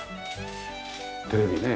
テレビね